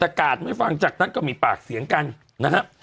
แต่กาดไม่ฟังจากนั้นก็มีปากเสียงกันนะครับ